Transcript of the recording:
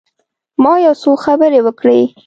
ما یو څو خبرې وکړې.